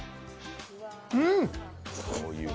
うん！